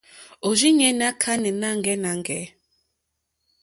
Òrzìɲɛ́ ná kánɛ̀ nâŋɡɛ́nâŋɡɛ̂.